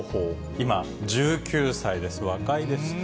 今、１９歳です、若いです。